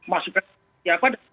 masukan siapa dan